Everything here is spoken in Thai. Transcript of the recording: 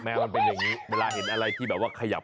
มันเป็นอย่างนี้เวลาเห็นอะไรที่แบบว่าขยับ